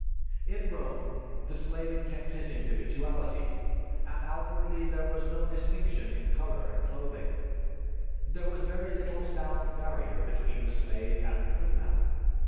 _) In Rome, the slave kept his individuality, and outwardly there was no distinction in color and clothing; there was very little sound barrier between the slave and the freeman.